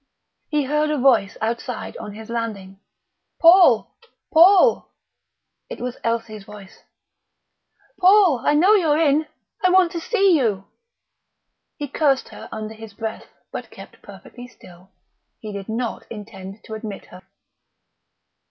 He heard a voice outside on his landing. "Paul!... Paul!..." It was Elsie's voice. "Paul!... I know you're in... I want to see you...." He cursed her under his breath, but kept perfectly still. He did not intend to admit her.